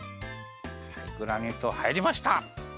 グラニュー糖はいりました。